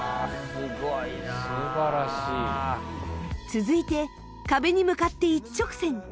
続いて壁に向かって一直線。